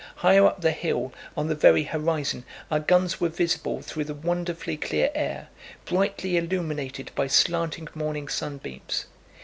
Higher up the hill, on the very horizon, our guns were visible through the wonderfully clear air, brightly illuminated by slanting morning sunbeams.